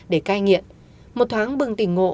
để cai nghiện một thoáng bừng tình ngộ